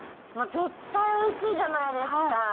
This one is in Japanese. もう絶対おいしいじゃないですか。